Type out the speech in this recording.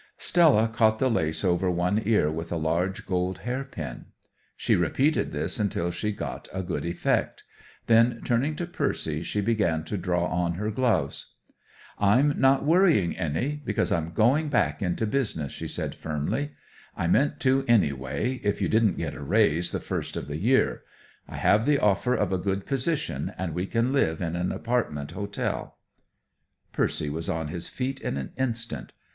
Stella caught the lace over one ear with a large gold hairpin. She repeated this until she got a good effect. Then turning to Percy, she began to draw on her gloves. "I'm not worrying any, because I'm going back into business," she said firmly. "I meant to, anyway, if you didn't get a raise the first of the year. I have the offer of a good position, and we can live in an apartment hotel." Percy was on his feet in an instant.